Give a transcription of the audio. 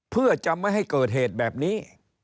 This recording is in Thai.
เพื่อจะไม่ให้เกิดเหตุแบบนี้